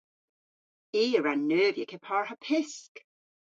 I a wra neuvya kepar ha pysk!